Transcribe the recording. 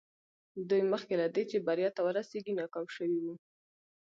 دوی مخکې له دې چې بريا ته ورسېږي ناکام شوي وو.